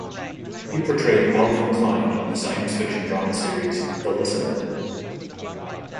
He portrayed Alvin Klein on the science fiction drama series "The Listener".